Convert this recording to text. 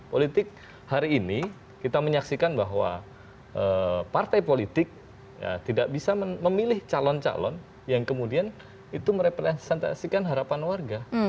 politik hari ini kita menyaksikan bahwa partai politik tidak bisa memilih calon calon yang kemudian itu merepresentasikan harapan warga